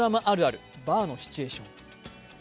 あるあるバーのシチュエーション。